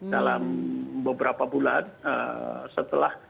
dalam beberapa bulan setelah